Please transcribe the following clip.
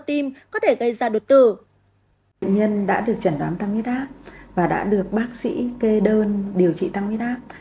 bệnh nhân đã được chẩn đoán tăng huyết áp và đã được bác sĩ kê đơn điều trị tăng huyết áp